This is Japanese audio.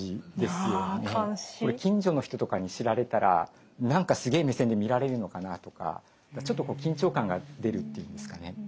これ近所の人とかに知られたら何かすげえ目線で見られるのかなとかちょっと緊張感が出るっていうんですかね。